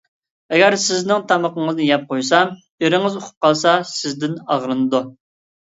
ئەگەر سىزنىڭ تامىقىڭىزنى يەپ قويسام، ئېرىڭىز ئۇقۇپ قالسا سىزدىن ئاغرىنىدۇ.